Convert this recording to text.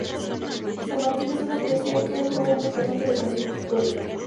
Sant Martí es una iglesia que tuvo una importante decoración pictórica.